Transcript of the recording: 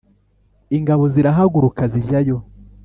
ingabo zirahaguruka zijyayo